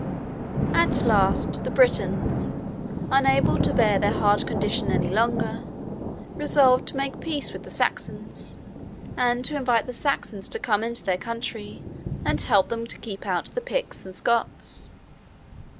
At last, the Britons, unable to bear their hard condition any longer, resolved to make peace with the Saxons, and to invite the Saxons to come into their country, and help them to keep out the Picts and Scots.